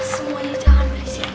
semuanya jangan berisi